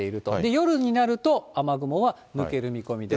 夜になると雨雲は抜ける見込みです。